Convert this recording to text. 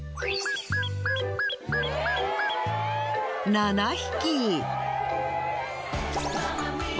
７匹。